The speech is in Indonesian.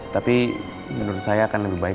tapi menurut saya akan lebih baik